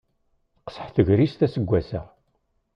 Teqṣeḥ tegrist assegas-a.